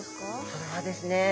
それはですね